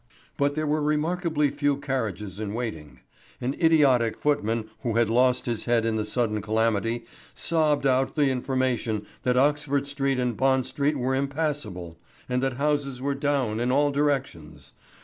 But there were remarkably few carriages in waiting. An idiotic footman who had lost his head in the sudden calamity sobbed out the information that Oxford Street and Bond Street were impassable, and that houses were down in all directions.